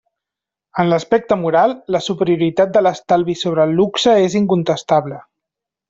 En l'aspecte moral, la superioritat de l'estalvi sobre el luxe és incontestable.